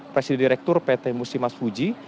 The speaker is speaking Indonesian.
presiden direktur pt musimas fuji